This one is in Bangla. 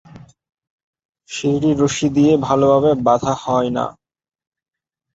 সিঁড়িটি রশি দিয়ে ভালোভাবে বাঁধা হয় না।